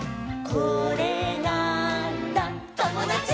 「これなーんだ『ともだち！』」